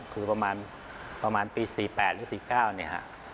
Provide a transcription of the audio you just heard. คือประมาณปี๑๙๔๘หรือ๑๙๔๙